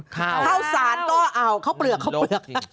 ข้าวสารก็เอาข้าวเปลือกข้าวเปลือก